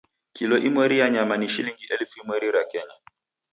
Kilo imweri ya nyama ni shilingi elfu imweri ra Kenya.